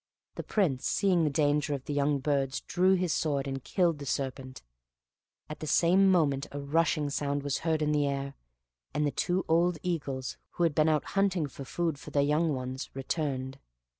The Prince seeing the danger of the young birds, drew his sword, and killed the serpent; at the same moment a rushing sound was heard in the air, and the two old eagles, who had been out hunting for food for their young ones, returned.